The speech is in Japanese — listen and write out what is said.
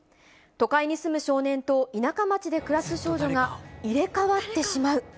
都会に住む少年と、田舎町で暮らす少女が、入れ代わってしまう。